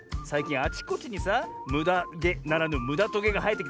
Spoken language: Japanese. あちこちにさむだげならぬむだトゲがはえてきてさ